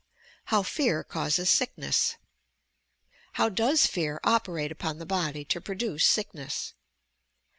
now PEAK CADSES SICKNESS How does fear operate upon the body to produce sickness?